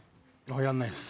やんないです。